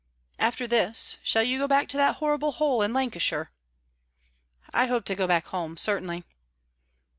"After this, shall you go back to that horrible hole in Lancashire?" "I hope to go back home, certainly."